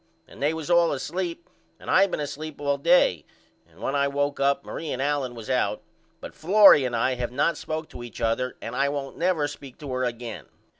And they was all asleep and I been asleep all day and when I woke up Marie and Allen was out but Florrie and I have not spoke to each other and I won't never speak to her again.